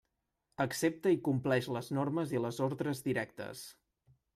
Accepta i compleix les normes i les ordres directes.